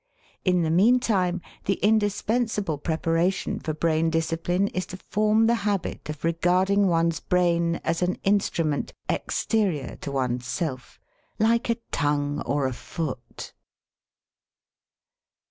In the meantime the indispensable preparation for brain discipline is to form the habit of regarding one's brain as an instrument exterior to one's self, like a tongue or a foot.